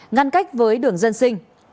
ngăn cách với đường dân sinh